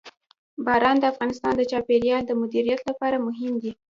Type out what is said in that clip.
باران د افغانستان د چاپیریال د مدیریت لپاره مهم دي.